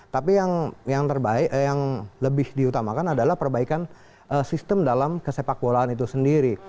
tapi yang lebih diutamakan adalah perbaikan sistem dalam kesepak bolaan itu sendiri